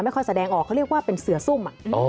แสดงออกเขาเรียกว่าเป็นเสือซุ่ม